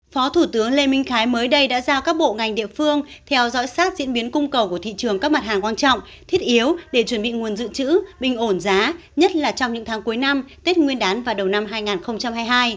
phó thủ tướng lê minh khái mới đây đã giao các bộ ngành địa phương theo dõi sát diễn biến cung cầu của thị trường các mặt hàng quan trọng thiết yếu để chuẩn bị nguồn dự trữ bình ổn giá nhất là trong những tháng cuối năm tết nguyên đán và đầu năm hai nghìn hai mươi hai